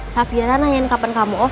safira nanyain kapan kamu off